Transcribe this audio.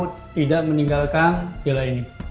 tidak meninggalkan villa ini